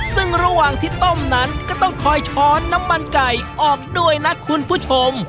ซึ่งระหว่างที่ต้มนั้นก็ต้องคอยช้อนน้ำมันไก่ออกด้วยนะคุณผู้ชม